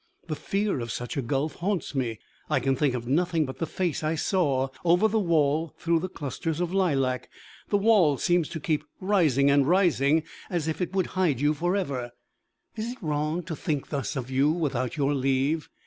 The fear of such a gulf haunts me. I can think of nothing but the face I saw over the wall through the clusters of lilac: the wall seems to keep rising and rising, as if it would hide you for ever. "Is it wrong to think thus of you without your leave?